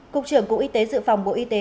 cục trưởng cục y tế dự phòng bộ y tế